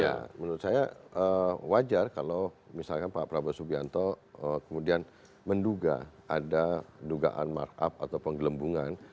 ya menurut saya wajar kalau misalkan pak prabowo subianto kemudian menduga ada dugaan markup atau penggelembungan